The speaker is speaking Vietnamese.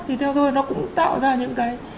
thì theo tôi nó cũng tạo ra những cái